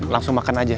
langsung makan aja